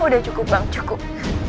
udah cukup bang cukup